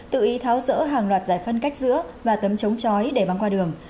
tự ý tháo rỡ hàng loạt giải phân cách giữa và tấm chống trói để băng qua đường